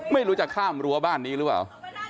ไม่รู้จะข้ามรั้วบ้านนี้หรือเปล่า